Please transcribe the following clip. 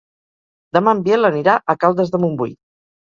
Demà en Biel anirà a Caldes de Montbui.